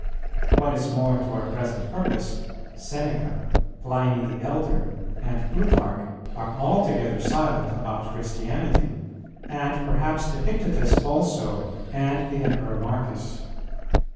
What is more to our present purpose, Seneca, Pliny the elder, and Plutarch are altogether silent about Christianity; and perhaps Epictetus also, and the Emperor Marcus.